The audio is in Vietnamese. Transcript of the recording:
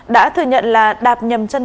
đã thừa nhận là đạp